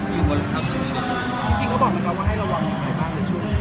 ที่เค้าบอกก็ว่าให้ระวังอย่างไหนบ้าง